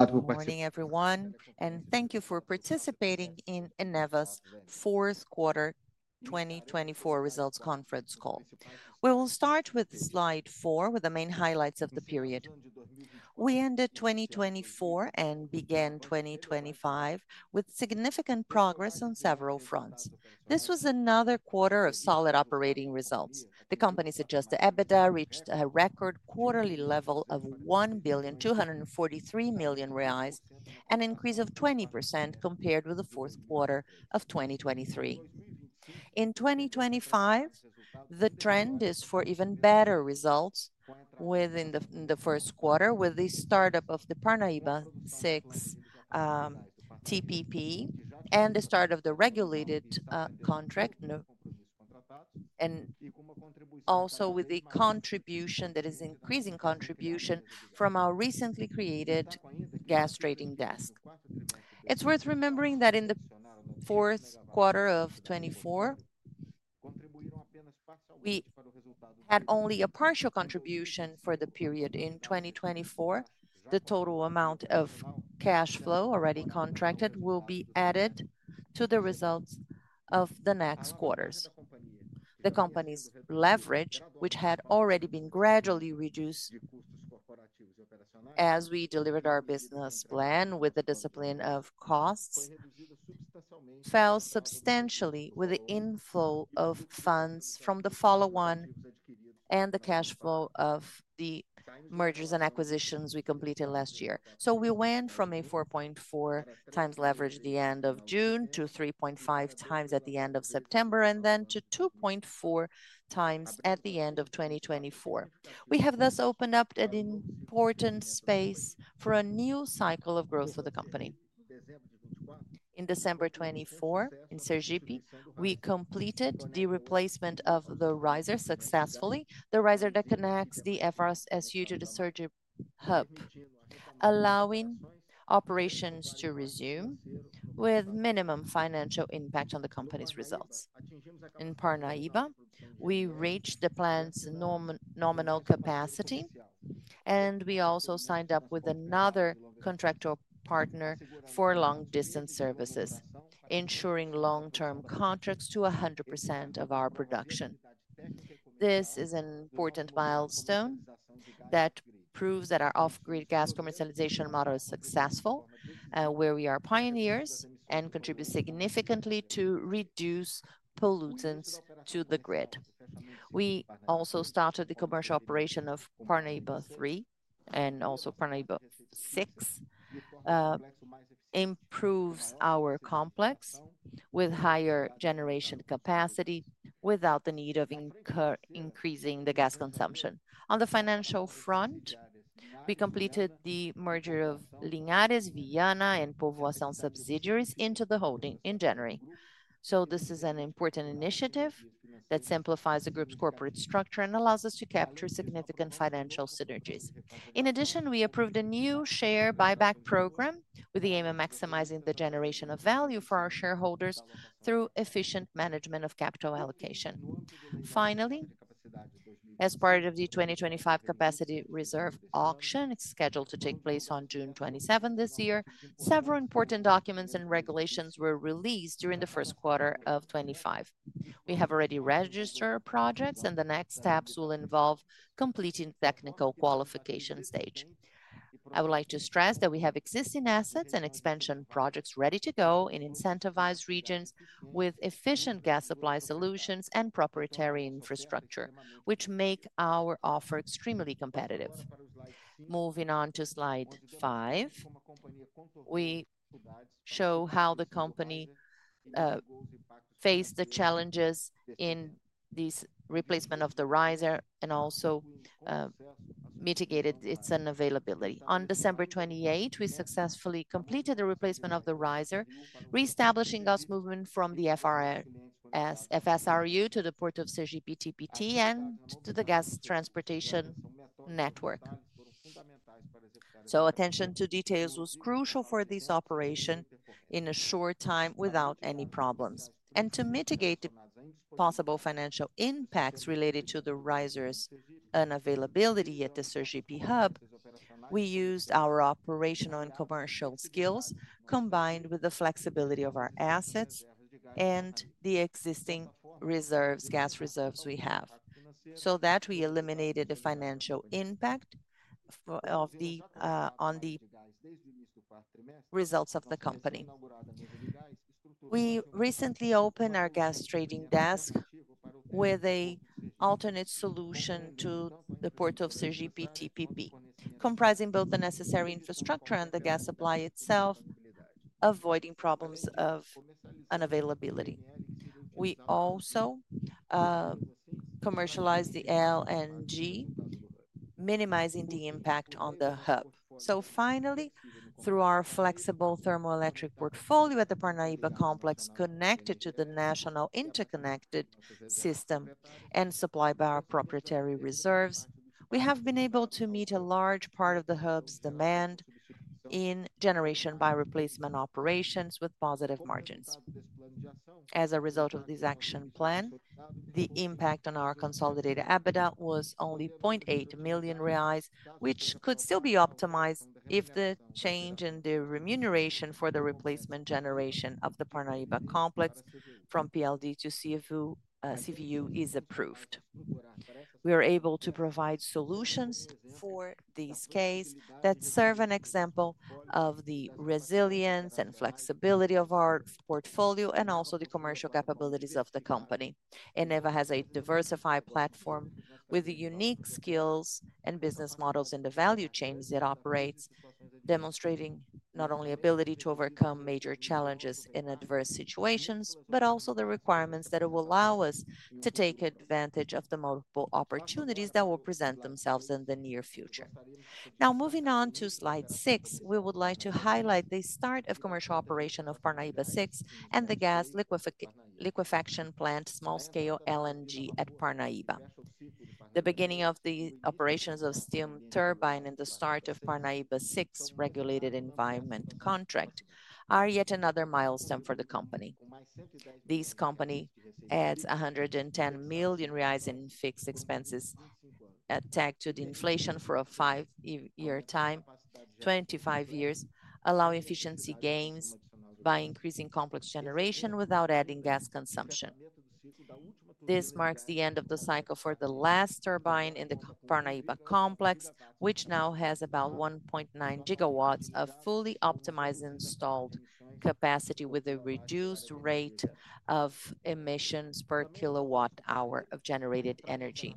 Good morning, everyone, and thank you for participating in Eneva's fourth quarter 2024 results conference call. We will start with slide four, with the main highlights of the period. We ended 2024 and began 2025 with significant progress on several fronts. This was another quarter of solid operating results. The company's adjusted EBITDA reached a record quarterly level of 1,243 million reais, an increase of 20% compared with the fourth quarter of 2023. In 2025, the trend is for even better results within the first quarter, with the startup of the Parnaíba 6 TPP and the start of the regulated contract, and also with the increasing contribution from our recently created gas trading desk. It's worth remembering that in the fourth quarter of 2024, we had only a partial contribution for the period. In 2024, the total amount of cash flow already contracted will be added to the results of the next quarters. The company's leverage, which had already been gradually reduced as we delivered our business plan with the discipline of costs, fell substantially with the inflow of funds from the follow-on and the cash flow of the mergers and acquisitions we completed last year. We went from a 4.4 times leverage at the end of June to 3.5 times at the end of September, and then to 2.4 times at the end of 2024. We have thus opened up an important space for a new cycle of growth for the company. In December 2024, in Sergipe, we completed the replacement of the riser successfully, the riser that connects the FSRU to the Sergipe hub, allowing operations to resume with minimum financial impact on the company's results. In Parnaíba, we reached the plant's nominal capacity, and we also signed up with another contractor partner for long-distance services, ensuring long-term contracts to 100% of our production. This is an important milestone that proves that our off-grid gas commercialization model is successful, where we are pioneers and contribute significantly to reduce pollutants to the grid. We also started the commercial operation of Parnaíba 3 and also Parnaíba 6, improving our complex with higher generation capacity without the need of increasing the gas consumption. On the financial front, we completed the merger of Linhares, Viana, and Povoação subsidiaries into the holding in January. This is an important initiative that simplifies the group's corporate structure and allows us to capture significant financial synergies. In addition, we approved a new share buyback program with the aim of maximizing the generation of value for our shareholders through efficient management of capital allocation. Finally, as part of the 2025 capacity reserve auction, it is scheduled to take place on June 27 this year. Several important documents and regulations were released during the first quarter of 2025. We have already registered projects, and the next steps will involve completing the technical qualification stage. I would like to stress that we have existing assets and expansion projects ready to go in incentivized regions with efficient gas supply solutions and proprietary infrastructure, which make our offer extremely competitive. Moving on to slide five, we show how the company faced the challenges in this replacement of the riser and also mitigated its unavailability. On December 28, we successfully completed the replacement of the riser, reestablishing gas movement from the FSRU to the port of Sergipe TPT and to the gas transportation network. Attention to details was crucial for this operation in a short time without any problems. To mitigate the possible financial impacts related to the riser's unavailability at the Sergipe hub, we used our operational and commercial skills combined with the flexibility of our assets and the existing gas reserves we have, so that we eliminated the financial impact on the results of the company. We recently opened our gas trading desk with an alternate solution to the port of Sergipe TPP, comprising both the necessary infrastructure and the gas supply itself, avoiding problems of unavailability. We also commercialized the LNG, minimizing the impact on the hub. Finally, through our flexible thermoelectric portfolio at the Parnaíba complex connected to the national interconnected system and supplied by our proprietary reserves, we have been able to meet a large part of the hub's demand in generation by replacement operations with positive margins. As a result of this action plan, the impact on our consolidated EBITDA was only 0.8 million reais, which could still be optimized if the change in the remuneration for the replacement generation of the Parnaíba complex from PLD to CVU is approved. We are able to provide solutions for this case that serve an example of the resilience and flexibility of our portfolio and also the commercial capabilities of the company. Eneva has a diversified platform with the unique skills and business models in the value chains it operates, demonstrating not only the ability to overcome major challenges in adverse situations, but also the requirements that will allow us to take advantage of the multiple opportunities that will present themselves in the near future. Now, moving on to slide six, we would like to highlight the start of commercial operation of Parnaíba 6 and the gas liquefaction plant small-scale LNG at Parnaíba. The beginning of the operations of the steam turbine and the start of Parnaíba 6 regulated environment contract are yet another milestone for the company. This company adds 110 million reais in fixed expenses attached to the inflation for a five-year time, 25 years, allowing efficiency gains by increasing complex generation without adding gas consumption. This marks the end of the cycle for the last turbine in the Parnaíba complex, which now has about 1.9 gigawatts of fully optimized installed capacity with a reduced rate of emissions per kilowatt-hour of generated energy.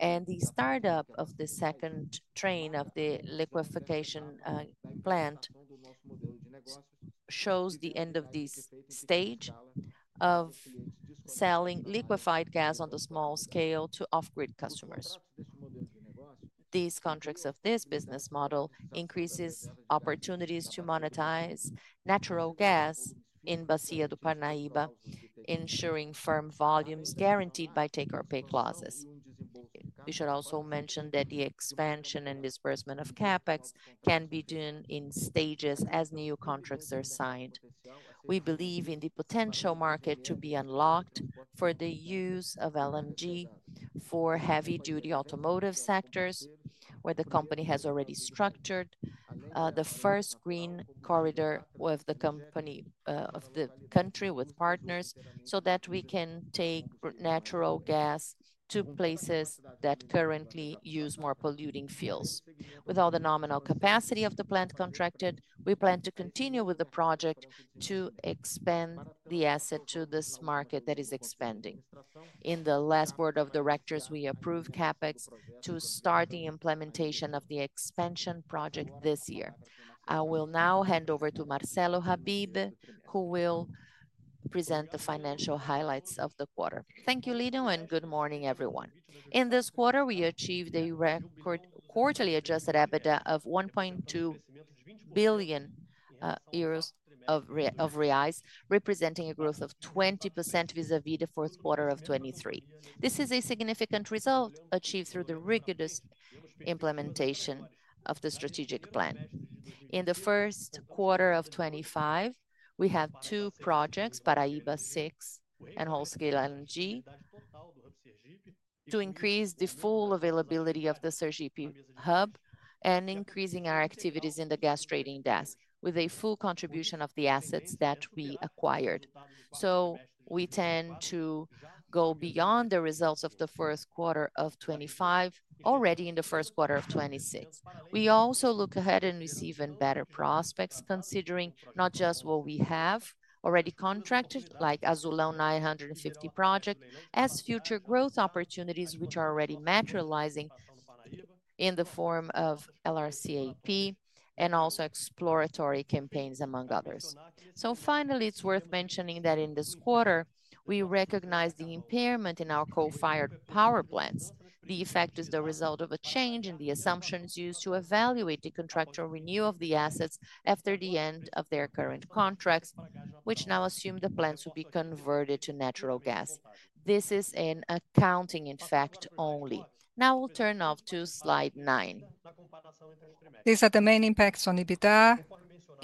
The startup of the second train of the liquefaction plant shows the end of this stage of selling liquefied gas on the small scale to off-grid customers. These contracts of this business model increase opportunities to monetize natural gas in Bacia do Parnaíba, ensuring firm volumes guaranteed by take-or-pay clauses. We should also mention that the expansion and disbursement of CapEx can be done in stages as new contracts are signed. We believe in the potential market to be unlocked for the use of LNG for heavy-duty automotive sectors, where the company has already structured the first green corridor of the country with partners so that we can take natural gas to places that currently use more polluting fuels. With all the nominal capacity of the plant contracted, we plan to continue with the project to expand the asset to this market that is expanding. In the last board of directors, we approved CapEx to start the implementation of the expansion project this year. I will now hand over to Marcelo Habibe, who will present the financial highlights of the quarter. Thank you, Lino, and good morning, everyone. In this quarter, we achieved a record quarterly adjusted EBITDA of BRL 1.2 billion, representing a growth of 20% vis-à-vis the fourth quarter of 2023. This is a significant result achieved through the rigorous implementation of the strategic plan. In the first quarter of 2025, we have two projects, Parnaíba 6 and small-scale LNG, to increase the full availability of the Sergipe hub and increasing our activities in the gas trading desk with a full contribution of the assets that we acquired. We tend to go beyond the results of the first quarter of 2025 already in the first quarter of 2026. We also look ahead and receive better prospects, considering not just what we have already contracted, like Azulão 950 project, as future growth opportunities, which are already materializing in the form of LRCAP and also exploratory campaigns, among others. Finally, it's worth mentioning that in this quarter, we recognize the impairment in our co-fired power plants. The effect is the result of a change in the assumptions used to evaluate the contractual renewal of the assets after the end of their current contracts, which now assume the plants will be converted to natural gas. This is in accounting, in fact, only. Now we'll turn off to slide nine. These are the main impacts on EBITDA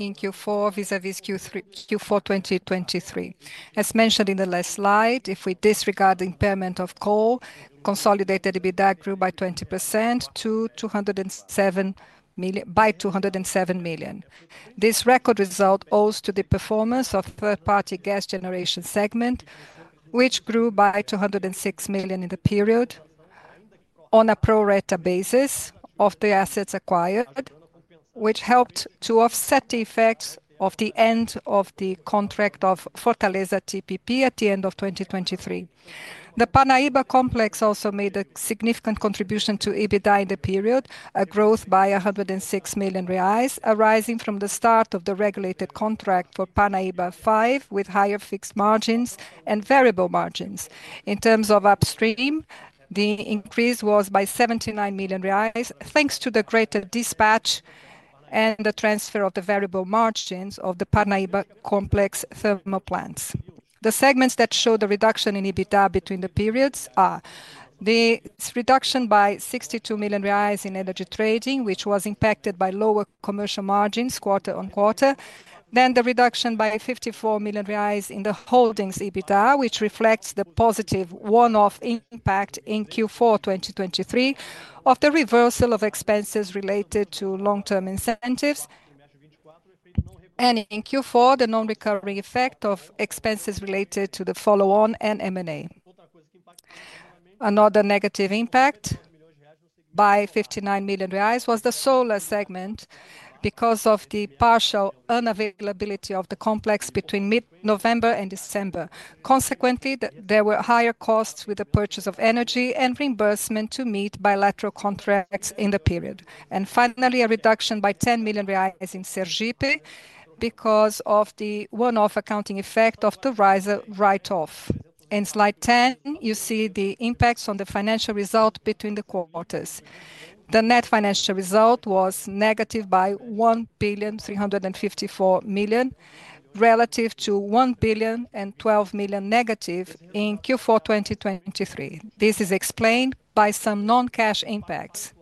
in Q4 vis-à-vis Q4 2023. As mentioned in the last slide, if we disregard the impairment of coal, consolidated EBITDA grew by 20% to 207 million. This record result owes to the performance of the third-party gas generation segment, which grew by 206 million in the period on a pro-rata basis of the assets acquired, which helped to offset the effects of the end of the contract of Fortaleza TPP at the end of 2023. The Parnaíba complex also made a significant contribution to EBITDA in the period, a growth by 106 million reais, arising from the start of the regulated contract for Parnaíba 5 with higher fixed margins and variable margins. In terms of upstream, the increase was by 79 million reais, thanks to the greater dispatch and the transfer of the variable margins of the Parnaíba complex thermal plants. The segments that show the reduction in EBITDA between the periods are the reduction by 62 million reais in energy trading, which was impacted by lower commercial margins quarter on quarter, the reduction by 54 million reais in the holdings EBITDA, which reflects the positive one-off impact in Q4 2023 of the reversal of expenses related to long-term incentives, and in Q4, the non-recurring effect of expenses related to the follow-on and M&A. Another negative impact by 59 million reais was the solar segment because of the partial unavailability of the complex between mid-November and December. Consequently, there were higher costs with the purchase of energy and reimbursement to meet bilateral contracts in the period. Finally, a reduction by 10 million reais in Sergipe because of the one-off accounting effect of the riser write-off. In slide 10, you see the impacts on the financial result between the quarters. The net financial result was negative by 1,354 million relative to 1,012 million negative in Q4 2023. This is explained by some non-cash impacts,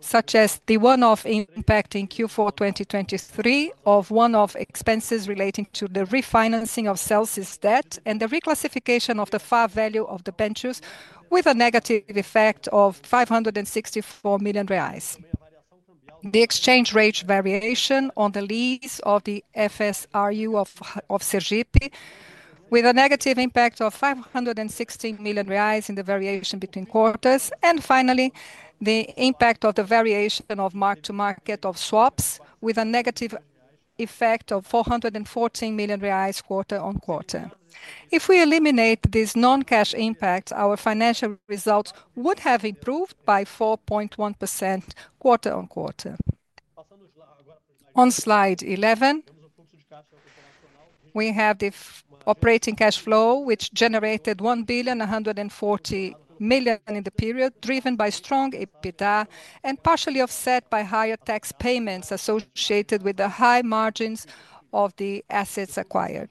such as the one-off impact in Q4 2023 of one-off expenses relating to the refinancing of Celse debt and the reclassification of the fair value of the debentures, with a negative effect of 564 million reais. The exchange rate variation on the lease of the FSRU of Sergipe, with a negative impact of 516 million reais in the variation between quarters, and finally, the impact of the variation of mark-to-market of swaps, with a negative effect of 414 million reais quarter on quarter. If we eliminate these non-cash impacts, our financial results would have improved by 4.1% quarter on quarter. On slide 11, we have the operating cash flow, which generated 1,140 million in the period, driven by strong EBITDA and partially offset by higher tax payments associated with the high margins of the assets acquired.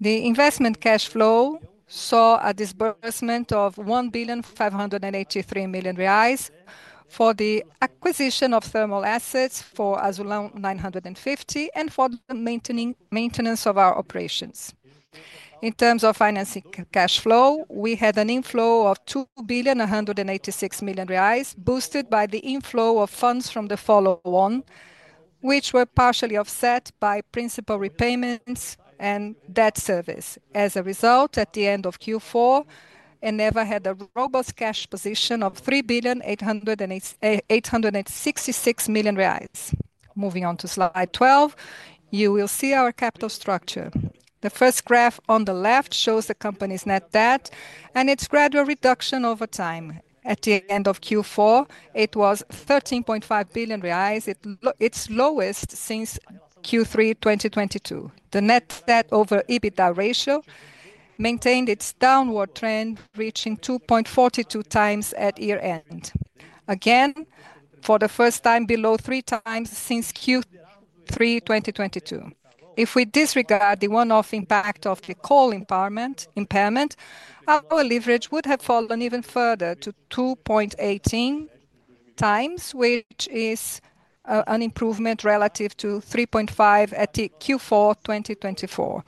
The investment cash flow saw a disbursement of 1,583 million reais for the acquisition of thermal assets for Azulão 950 and for the maintenance of our operations. In terms of financing cash flow, we had an inflow of 2,186 million reais, boosted by the inflow of funds from the follow-on, which were partially offset by principal repayments and debt service. As a result, at the end of Q4, Eneva had a robust cash position of 3,866 million reais. Moving on to slide 12, you will see our capital structure. The first graph on the left shows the company's net debt and its gradual reduction over time. At the end of Q4, it was 13.5 billion reais, its lowest since Q3 2022. The net debt over EBITDA ratio maintained its downward trend, reaching 2.42 times at year-end. Again, for the first time, below three times since Q3 2022. If we disregard the one-off impact of the coal impairment, our leverage would have fallen even further to 2.18 times, which is an improvement relative to 3.5 at Q4 2024.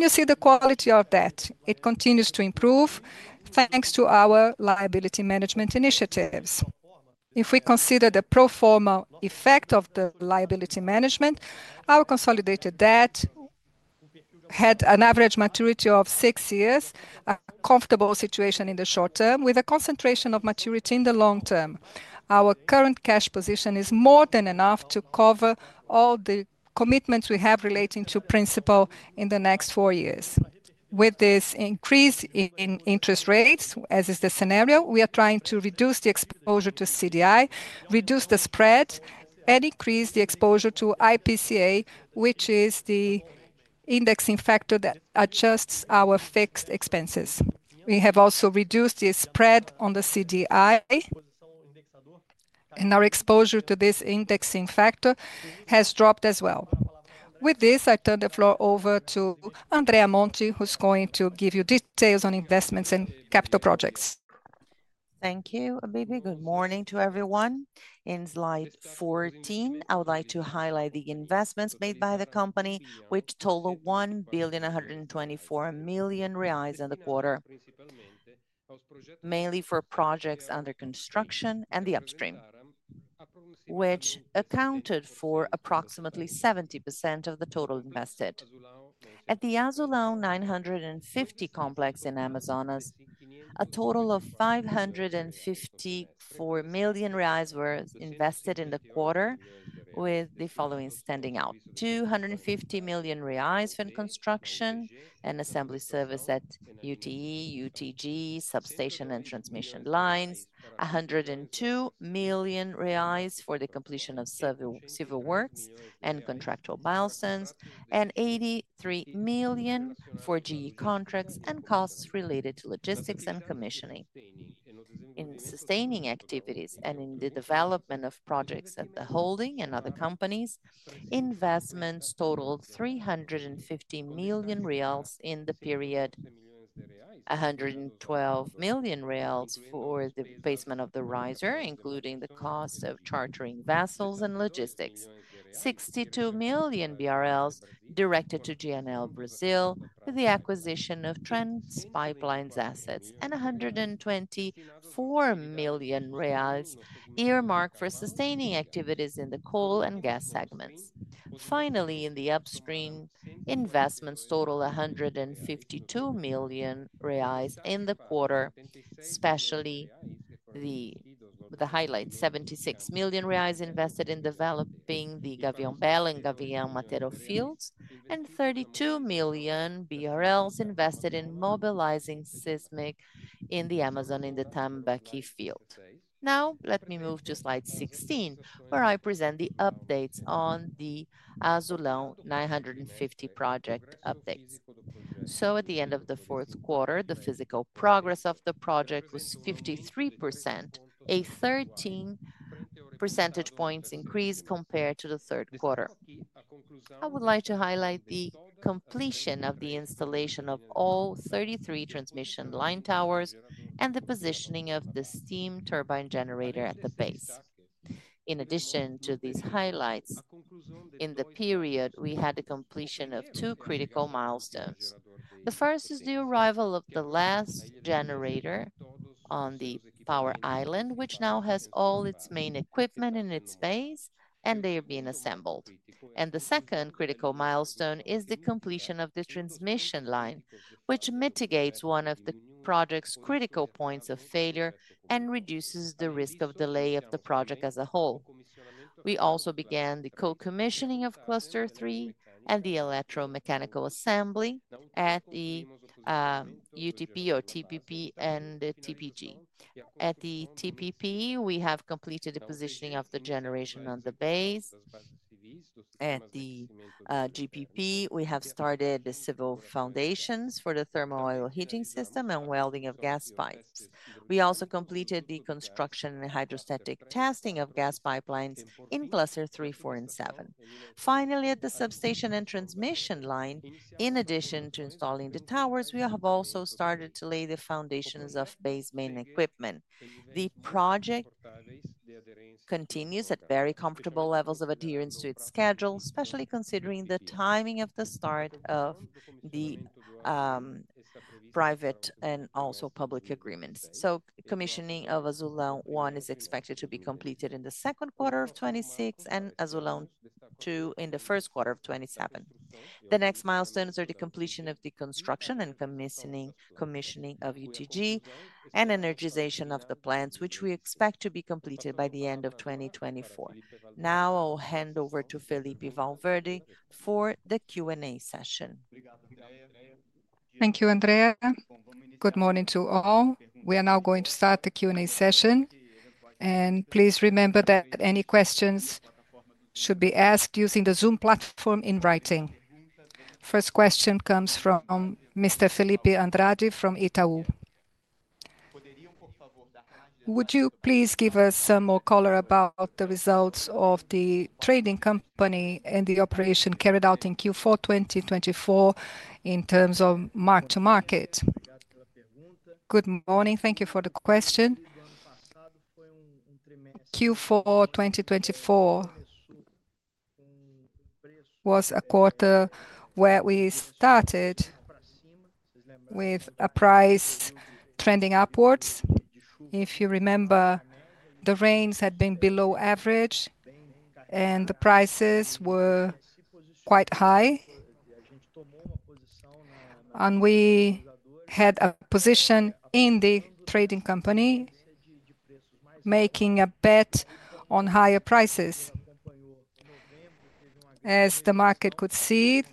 You see the quality of debt. It continues to improve thanks to our liability management initiatives. If we consider the pro forma effect of the liability management, our consolidated debt had an average maturity of six years, a comfortable situation in the short term, with a concentration of maturity in the long term. Our current cash position is more than enough to cover all the commitments we have relating to principal in the next four years. With this increase in interest rates, as is the scenario, we are trying to reduce the exposure to CDI, reduce the spread, and increase the exposure to IPCA, which is the indexing factor that adjusts our fixed expenses. We have also reduced the spread on the CDI, and our exposure to this indexing factor has dropped as well. With this, I turn the floor over to Andrea Monti, who's going to give you details on investments and capital projects. Thank you, Habibe. Good morning to everyone. In slide 14, I would like to highlight the investments made by the company, which total 1,124 million reais in the quarter, mainly for projects under construction and the upstream, which accounted for approximately 70% of the total invested. At the Azulão 950 complex in Amazonas, a total of 554 million reais were invested in the quarter, with the following standing out: 250 million reais for construction and assembly service at UTE, UTG, substation, and transmission lines, 102 million reais for the completion of civil works and contractual milestones, and 83 million for GE contracts and costs related to logistics and commissioning. In sustaining activities and in the development of projects at the holding and other companies, investments totaled 350 million reais in the period, 112 million reais for the replacement of the riser, including the cost of chartering vessels and logistics, 62 million BRL directed to GNL Brazil for the acquisition of TransPipelines assets, and 124 million reais earmarked for sustaining activities in the coal and gas segments. Finally, in the upstream, investments totaled 152 million reais in the quarter, especially with the highlight, 76 million reais invested in developing the Gavião Belo and Gavião Mateiro fields, and 32 million invested in mobilizing seismic in the Amazon in the Tambaqui field. Now, let me move to slide 16, where I present the updates on the Azulão 950 project updates. At the end of the fourth quarter, the physical progress of the project was 53%, a 13 percentage points increase compared to the third quarter. I would like to highlight the completion of the installation of all 33 transmission line towers and the positioning of the steam turbine generator at the base. In addition to these highlights, in the period, we had the completion of two critical milestones. The first is the arrival of the last generator on the power island, which now has all its main equipment in its base, and they are being assembled. The second critical milestone is the completion of the transmission line, which mitigates one of the project's critical points of failure and reduces the risk of delay of the project as a whole. We also began the co-commissioning of cluster three and the electromechanical assembly at the UTP or TPP and TPG. At the TPP, we have completed the positioning of the generation on the base. At the GPP, we have started the civil foundations for the thermal oil heating system and welding of gas pipes. We also completed the construction and hydrostatic testing of gas pipelines in cluster three, four, and seven. Finally, at the substation and transmission line, in addition to installing the towers, we have also started to lay the foundations of base main equipment. The project continues at very comfortable levels of adherence to its schedule, especially considering the timing of the start of the private and also public agreements. Commissioning of Azulão 1 is expected to be completed in the second quarter of 2026 and Azulão 2 in the first quarter of 2027. The next milestones are the completion of the construction and commissioning of UTG and energization of the plants, which we expect to be completed by the end of 2024. Now, I'll hand over to Felippe Valverde for the Q&A session. Thank you, Andrea. Good morning to all. We are now going to start the Q&A session. Please remember that any questions should be asked using the Zoom platform in writing. First question comes from Mr. Felipe Andrade from Itaú. Would you please give us some more color about the results of the trading company and the operation carried out in Q4 2024 in terms of mark-to-market? Good morning. Thank you for the question. Q4 2024 was a quarter where we started with a price trending upwards. If you remember, the rains had been below average, and the prices were quite high. We had a position in the trading company making a bet on higher prices. As the market could see,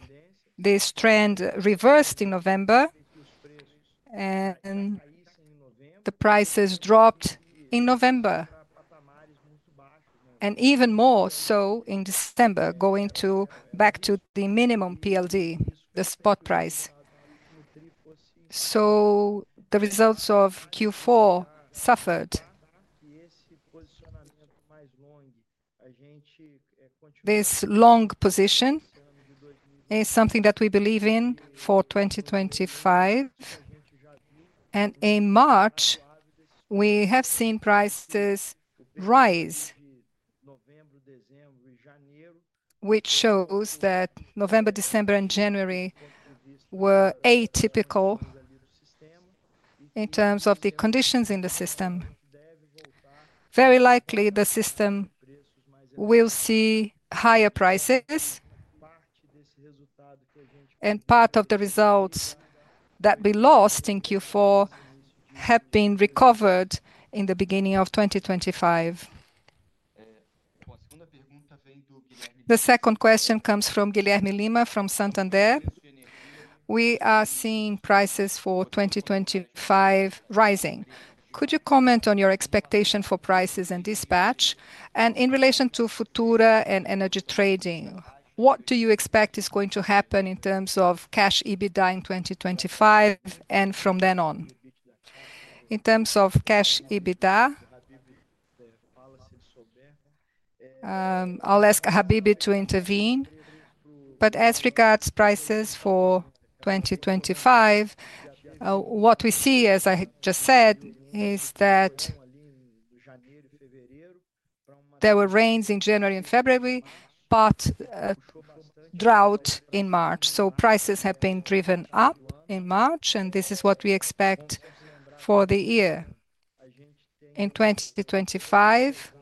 this trend reversed in November, and the prices dropped in November, and even more so in December, going back to the minimum PLD, the spot price. The results of Q4 suffered. This long position is something that we believe in for 2025. In March, we have seen prices rise, which shows that November, December, and January were atypical in terms of the conditions in the system. Very likely, the system will see higher prices, and part of the results that we lost in Q4 have been recovered in the beginning of 2025. The second question comes from Guilherme Lima from Santander. We are seeing prices for 2025 rising. Could you comment on your expectation for prices and dispatch? In relation to Futura and energy trading, what do you expect is going to happen in terms of cash EBITDA in 2025 and from then on? In terms of cash EBITDA, I'll ask Habibe to intervene. As regards prices for 2025, what we see, as I just said, is that there were rains in January and February, but drought in March. Prices have been driven up in March, and this is what we expect for the year. In 2025,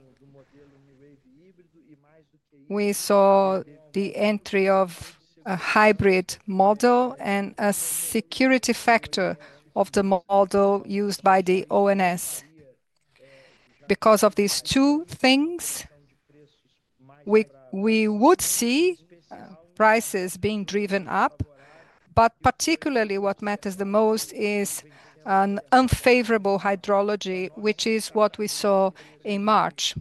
we saw the entry of a hybrid model and a security factor of the model used by the ONS. Because of these two things, we would see prices being driven up, but particularly what matters the most is an unfavorable hydrology, which is what we saw in March.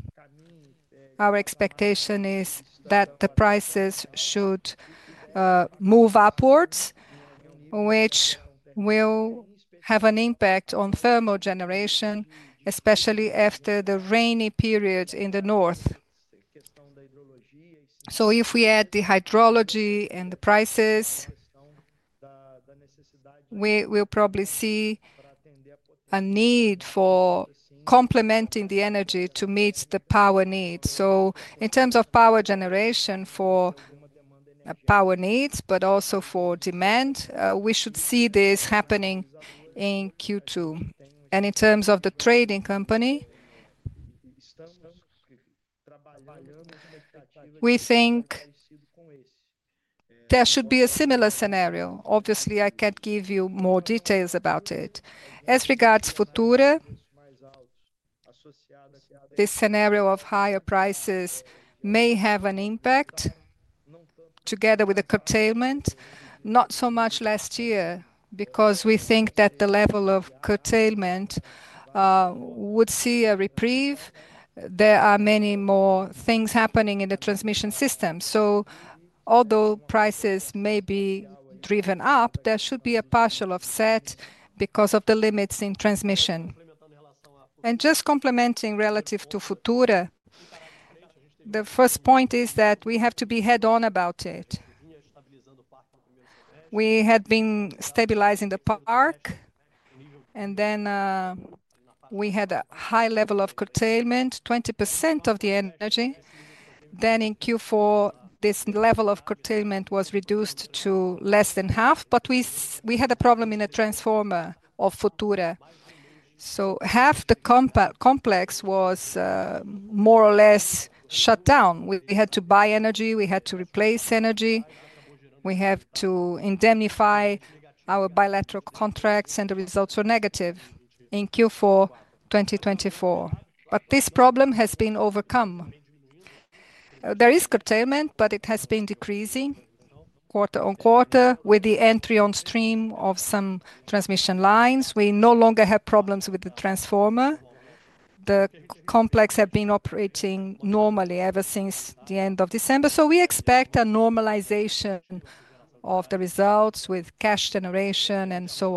Our expectation is that the prices should move upwards, which will have an impact on thermal generation, especially after the rainy period in the north. If we add the hydrology and the prices, we will probably see a need for complementing the energy to meet the power needs. In terms of power generation for power needs, but also for demand, we should see this happening in Q2. In terms of the trading company, we think there should be a similar scenario. Obviously, I can't give you more details about it. As regards Futura, this scenario of higher prices may have an impact together with the curtailment, not so much last year, because we think that the level of curtailment would see a reprieve. There are many more things happening in the transmission system. Although prices may be driven up, there should be a partial offset because of the limits in transmission. Just complementing relative to Futura, the first point is that we have to be head-on about it. We had been stabilizing the park, and then we had a high level of curtailment, 20% of the energy. In Q4, this level of curtailment was reduced to less than half, but we had a problem in a transformer of Futura. Half the complex was more or less shut down. We had to buy energy. We had to replace energy. We had to indemnify our bilateral contracts, and the results were negative in Q4 2024. This problem has been overcome. There is curtailment, but it has been decreasing quarter on quarter with the entry on stream of some transmission lines. We no longer have problems with the transformer. The complex has been operating normally ever since the end of December. We expect a normalization of the results with cash generation and so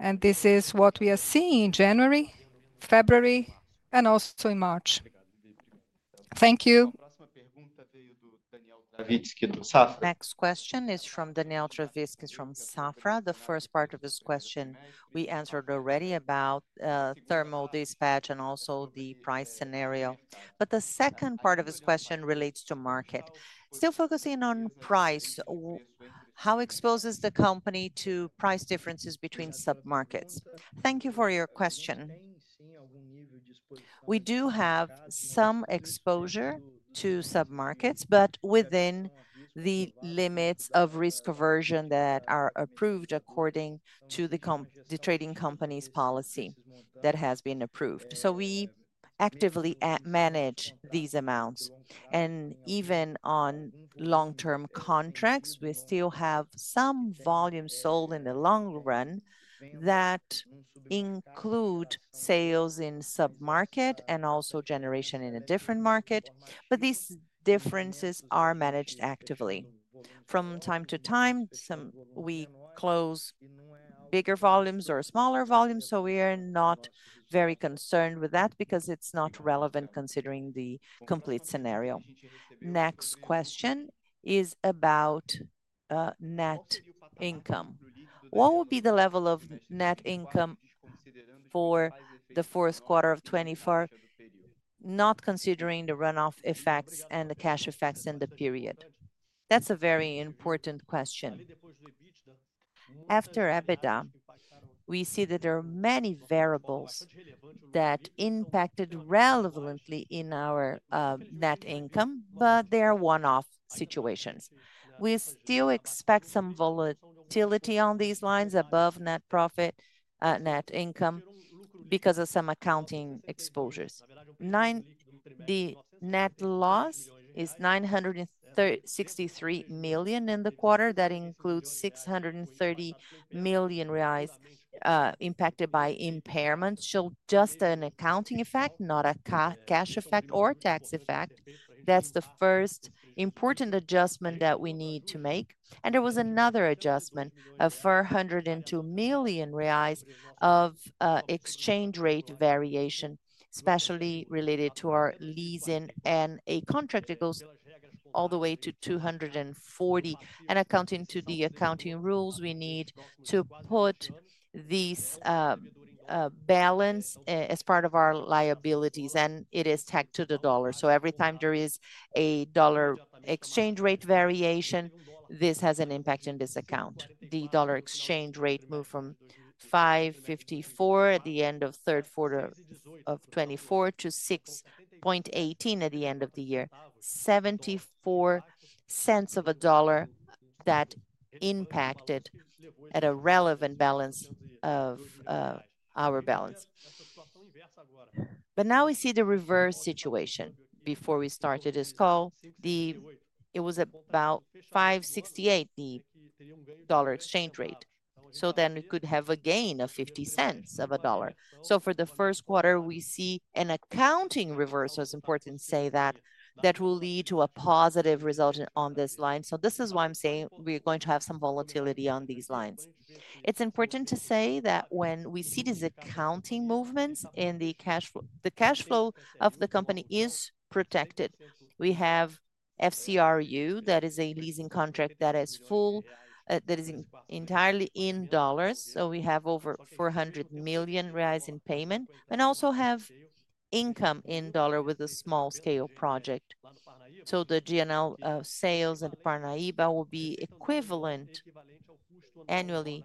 on. This is what we are seeing in January, February, and also in March. Thank you. Next question is from Daniel Trevaskis from Safra. The first part of his question we answered already about thermal dispatch and also the price scenario. The second part of his question relates to market. Still focusing on price, how exposes the company to price differences between submarkets? Thank you for your question. We do have some exposure to submarkets, but within the limits of risk aversion that are approved according to the trading company's policy that has been approved. We actively manage these amounts. Even on long-term contracts, we still have some volume sold in the long run that include sales in submarket and also generation in a different market. These differences are managed actively. From time to time, we close bigger volumes or smaller volumes. We are not very concerned with that because it's not relevant considering the complete scenario. Next question is about net income. What will be the level of net income for the fourth quarter of 2024, not considering the runoff effects and the cash effects in the period? That's a very important question. After EBITDA, we see that there are many variables that impacted relevantly in our net income, but they are one-off situations. We still expect some volatility on these lines above net profit, net income, because of some accounting exposures. The net loss is 963 million in the quarter. That includes 630 million reais impacted by impairments. Just an accounting effect, not a cash effect or tax effect. That is the first important adjustment that we need to make. There was another adjustment of 402 million reais of exchange rate variation, especially related to our leasing and a contract that goes all the way to 2040. According to the accounting rules, we need to put this balance as part of our liabilities, and it is tacked to the dollar. Every time there is a dollar exchange rate variation, this has an impact in this account. The dollar exchange rate moved from $5.54 at the end of third quarter of 2024 to $6.18 at the end of the year. $0.74 that impacted at a relevant balance of our balance. Now we see the reverse situation. Before we started this call, it was about $5.68 the dollar exchange rate. Then we could have a gain of $0.50. For the first quarter, we see an accounting reverse, as important to say that, that will lead to a positive result on this line. This is why I'm saying we're going to have some volatility on these lines. It's important to say that when we see these accounting movements in the cash flow, the cash flow of the company is protected. We have FSRU, that is a leasing contract that is full, that is entirely in dollars. We have over 400 million reais in payment and also have income in dollar with a small scale project. The GNL sales and Parnaíba will be equivalent annually.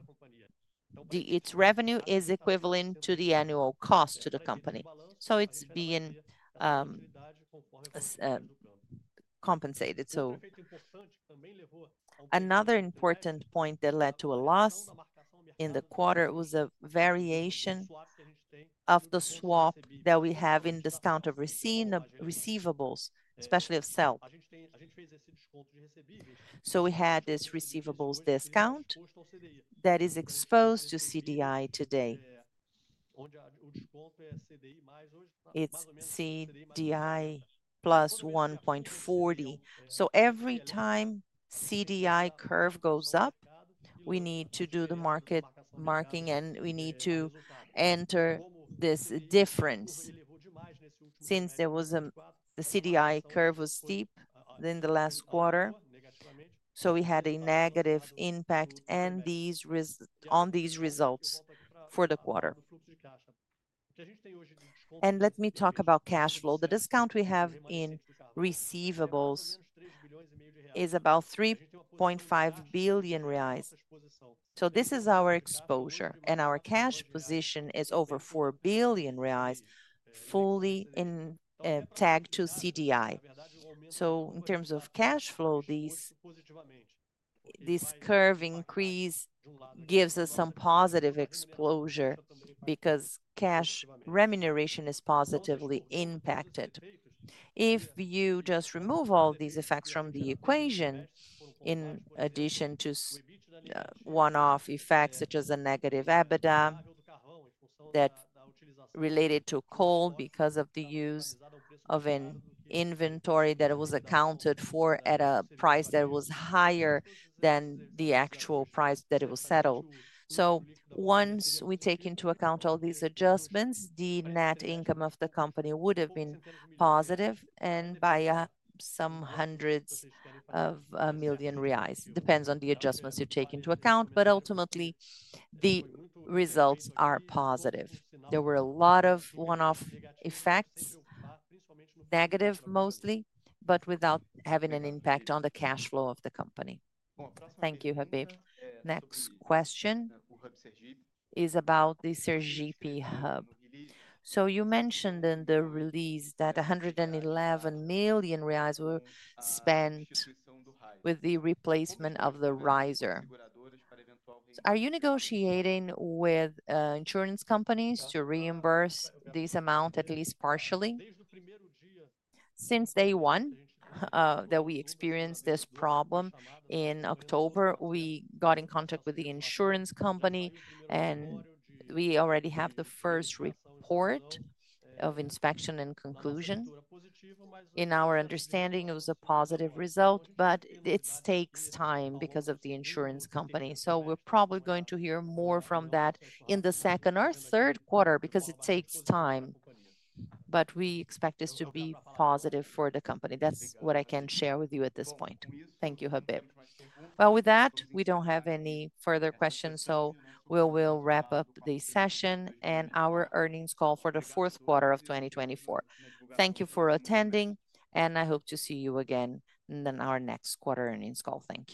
Its revenue is equivalent to the annual cost to the company. It's being compensated. Another important point that led to a loss in the quarter was a variation of the swap that we have in discount of receivables, especially of Celse. We had this receivables discount that is exposed to CDI today. It's CDI plus 1.40. Every time the CDI curve goes up, we need to do the market marking, and we need to enter this difference. Since the CDI curve was steep in the last quarter, we had a negative impact on these results for the quarter. Let me talk about cash flow. The discount we have in receivables is about 3.5 billion reais. This is our exposure. Our cash position is over 4 billion reais, fully in tagged to CDI. In terms of cash flow, this curve increase gives us some positive exposure because cash remuneration is positively impacted. If you just remove all these effects from the equation, in addition to one-off effects such as a negative EBITDA that related to coal because of the use of an inventory that was accounted for at a price that was higher than the actual price that it was settled. Once we take into account all these adjustments, the net income of the company would have been positive and by some hundreds of million BRL. It depends on the adjustments you take into account, but ultimately the results are positive. There were a lot of one-off effects, negative mostly, but without having an impact on the cash flow of the company. Thank you, Habibe. The next question is about the Sergipe Hub. You mentioned in the release that 111 million reais were spent with the replacement of the riser. Are you negotiating with insurance companies to reimburse this amount at least partially? Since day one that we experienced this problem in October, we got in contact with the insurance company, and we already have the first report of inspection and conclusion. In our understanding, it was a positive result, but it takes time because of the insurance company. We are probably going to hear more from that in the second or third quarter because it takes time, but we expect this to be positive for the company. That is what I can share with you at this point. Thank you, Habibe. With that, we do not have any further questions, so we will wrap up the session and our earnings call for the fourth quarter of 2024. Thank you for attending, and I hope to see you again in our next quarter earnings call. Thank you.